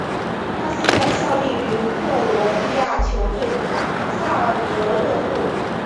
他现在效力于克罗地亚球队萨格勒布。